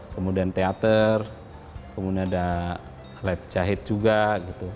kemudian teater kemudian ada lab jahit juga gitu